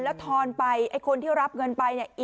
แล้วทอนไปไอ้คนที่รับเงินไปเนี่ย